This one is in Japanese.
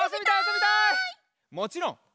もちろん！